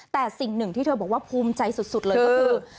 แต่สิ่งหนึ่งที่เธอบอกว่าภูมิใจสุดเลยก็คือ